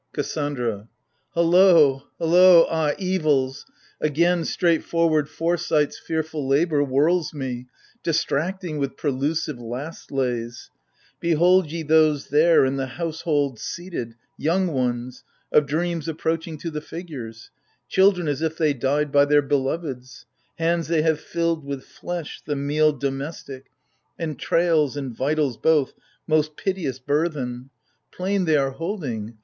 KASSANDRA. Halloo, Halloo, ah, evils ! Again, straightforward foresight's fearful labour Whirls me, distracting with prelusive last lays ! Behold ye those there, in the household seated, — Young ones, — of dreams approaching to the figures ? Children, as if they died by their beloveds — Hands they have filled with flesh, the meal domestic Entrails and vitals both, most piteous burthen, I04 AGAMEMNON. Plain they are holding